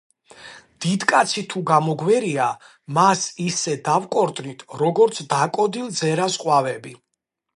დიდკაცი თუ გამოგვერია, მას ისე დავკორტნით, როგორც დაკოდილ ძერას ყვავები.